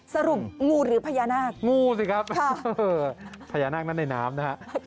สรุปงูหรือพญานาคงูสิครับพญานาคนั้นในน้ำนะฮะ